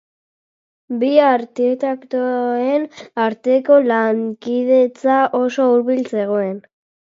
Bi arkitektoen arteko lankidetza oso hurbil zegoen.